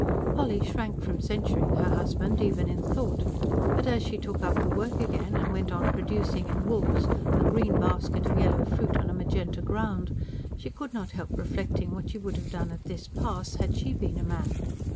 Polly shrank from censuring her husband, even in thought; but as she took up her work again, and went on producing in wools a green basket of yellow fruit on a magenta ground, she could not help reflecting what she would have done at this pass, had she been a man.